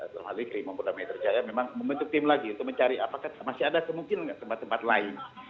terhadap limong polda metro jaya memang membentuk tim lagi untuk mencari apakah masih ada kemungkinan tempat tempat lain